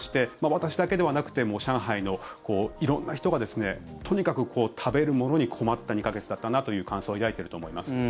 私だけではなくて上海の色んな人がとにかく食べるものに困った２か月だったなという感想を抱いていると思います。